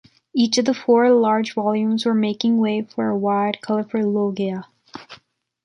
Each of the four large volumes were making way for a wide, colorful loggia.